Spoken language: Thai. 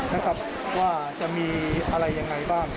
ว่าจะมีอะไรอย่างไรบ้าง